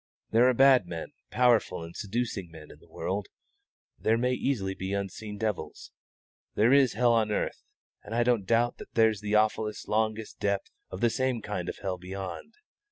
There are bad men, powerful and seducing men, in the world; there may easily be unseen devils. There is hell on earth, and I don't doubt but that there's the awfulest, longest depth of the same kind of hell beyond.